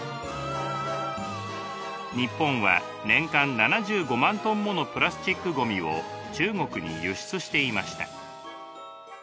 日本は年間７５万ｔものプラスチックごみを中国に輸出していました。